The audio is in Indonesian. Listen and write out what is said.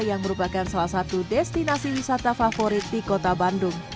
yang merupakan salah satu destinasi wisata favorit di kota bandung